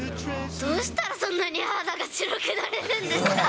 どうしたらそんなに肌が白くなれるんですか。